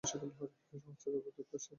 এই সংস্থার সদর দপ্তর সেউতায় অবস্থিত।